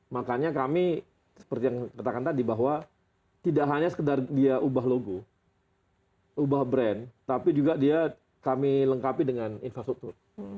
makanya kami seperti yang katakan tadi bahwa tidak hanya sekedar dia ubah logo ubah brand tapi juga dia kami lengkapi dengan infrastruktur